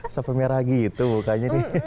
sampai merah gitu mukanya nih